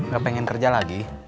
gak pengen kerja lagi